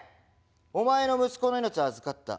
お前の息子の命は預かった。